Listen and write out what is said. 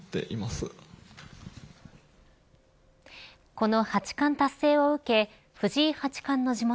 この８冠達成を受け藤井８冠の地元